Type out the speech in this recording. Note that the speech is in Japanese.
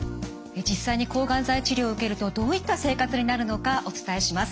実際に抗がん剤治療を受けるとどういった生活になるのかお伝えします。